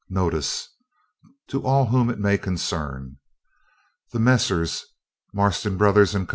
NOTICE. To all whom it may concern. The Messrs. Marston Brothers and Co.